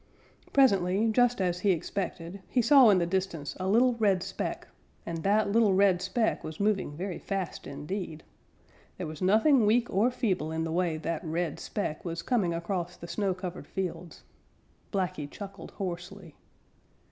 Presently, just as he expected, he saw in the distance a little red speck, and that little red speck was moving very fast indeed. There was nothing weak or feeble in the way that red speck was coming across the snow covered fields. Blacky chuckled hoarsely.